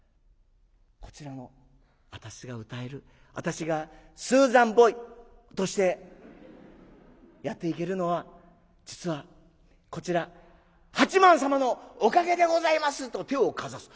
こちらの私が歌える私がスーザン・ボイとしてやっていけるのは実はこちら八幡様のおかげでございます」と手をかざす。